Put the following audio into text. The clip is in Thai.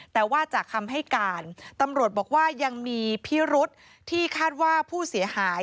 แต่ว่าจากคำให้การตำรวจบอกว่ายังมีพิรุษที่คาดว่าผู้เสียหาย